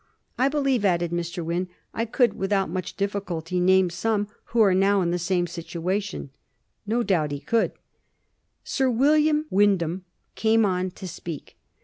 " I believe," added Mr. Wynn, " I could without much difficulty name some who are now in the same situation." No doubt he could. Sir William Wyndham came on to speak.